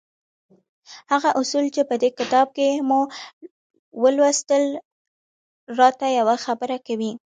هغه اصول چې په دې کتاب کې مو ولوستل را ته يوه خبره کوي.